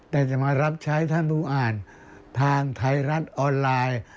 แต่จะมารับใช้ถ้าดูอ่านทางไทยรัฐออนไลน์